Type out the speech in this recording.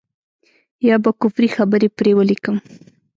يا به کفري خبرې پرې وليکم.